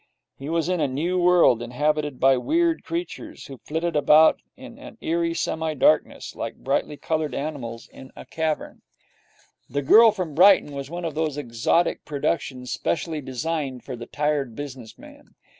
He was in a new world, inhabited by weird creatures, who flitted about in an eerie semi darkness, like brightly coloured animals in a cavern. 'The Girl From Brighton' was one of those exotic productions specially designed for the Tired Business Man.